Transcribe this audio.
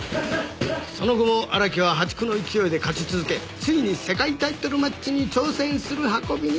「その後も荒木は破竹の勢いで勝ち続けついに世界タイトルマッチに挑戦する運びになった」